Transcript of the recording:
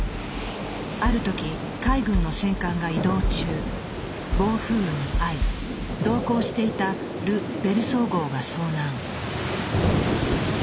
ある時海軍の戦艦が移動中暴風雨に遭い同行していたル・ベルソー号が遭難。